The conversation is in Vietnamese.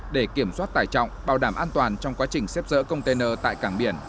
để kiểm soát tải trọng bảo đảm an toàn trong quá trình xếp dỡ container tại cảng biển